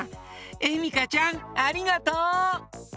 えみかちゃんありがとう！